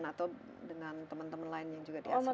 atau dengan teman teman lain yang juga di asramai